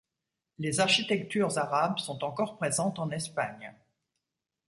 Les architectures arabes sont encore présentes en Espagne.